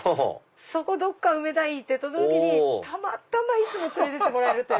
そこどっか埋めたいって時にたまたま連れて行ってもらえる。